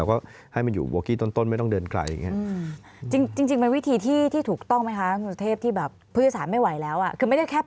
ประตูแต่ว่าลงไปเลย